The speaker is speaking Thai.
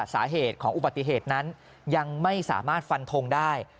สาเหตุของอุบัติเหตุนั้นยังไม่สามารถฟันทงได้